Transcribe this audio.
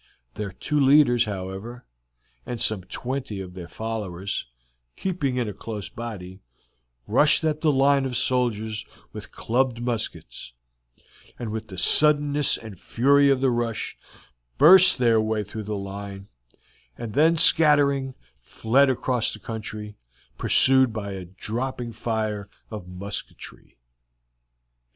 Their two leaders, however, and some twenty of their followers, keeping in a close body, rushed at the line of soldiers with clubbed muskets, and with the suddenness and fury of the rush burst their way through the line, and then scattering, fled across the country, pursued by a dropping fire of musketry.